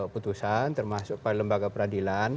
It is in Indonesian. putusan termasuk pada lembaga peradilan